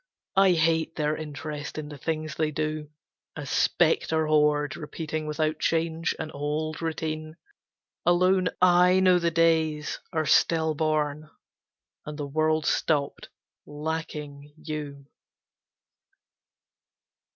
I hate their interest in the things they do. A spectre horde repeating without change An old routine. Alone I know the days Are still born, and the world stopped, lacking you.